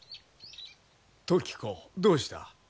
時子どうした？